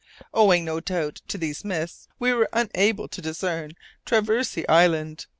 Owing, no doubt, to these mists, we were unable to discern Traversey Island.